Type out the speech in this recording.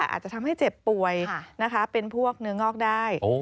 อาจจะทำให้เจ็บป่วยเป็นพวกเนื้องอกได้